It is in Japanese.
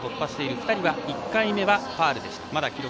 城山は１回目はファウルでした。